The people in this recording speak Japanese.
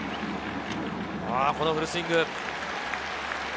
このフルスイング。